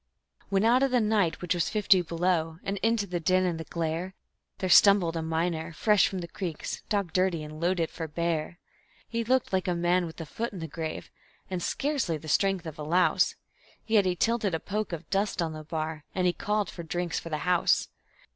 When out of the night, which was fifty below, and into the din and the glare, There stumbled a miner fresh from the creeks, dog dirty, and loaded for bear. He looked like a man with a foot in the grave and scarcely the strength of a louse, Yet he tilted a poke of dust on the bar, and he called for drinks for the house.